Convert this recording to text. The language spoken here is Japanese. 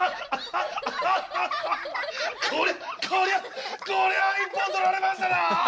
こりゃこりゃこりゃ一本取られましたな！